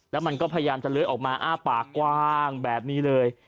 แล้วมันก็พยายามจะเลื้อยออกมาอ้าปากกว้างแบบนี้เลย